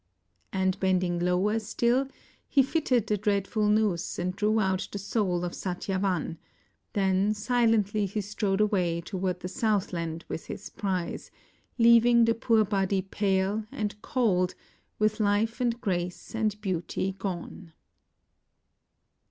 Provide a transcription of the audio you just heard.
And bending lower still he fitted the dreadful noose and drew out the soul of Satyavan; then silently he strode away toward the southland with his prize. lea\ ing the poor body pale and cold, with Kfe and grace and beauty gone.